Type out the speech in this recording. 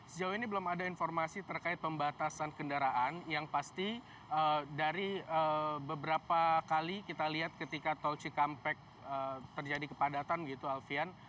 sejauh ini belum ada informasi terkait pembatasan kendaraan yang pasti dari beberapa kali kita lihat ketika tol cikampek terjadi kepadatan gitu alfian